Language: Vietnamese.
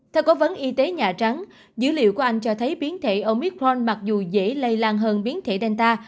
theo cố vấn y tế nhà trắng dữ liệu của anh cho thấy biến thể omicron mặc dù dễ lây lan hơn biến thể danta